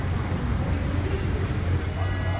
そういうクリエーティブな一面がやっぱあるから。